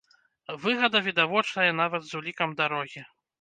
Выгада відавочная нават з улікам дарогі.